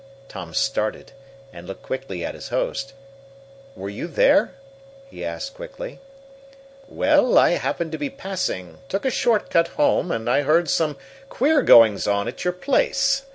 Tom started, and looked quickly at his host. "Were you there?" he asked quickly. "Well, I happened to be passing took a short cut home and I heard some queer goings on at your place.